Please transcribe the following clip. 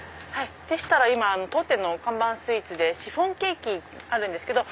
でしたら当店の看板スイーツでシフォンケーキあるんですけど。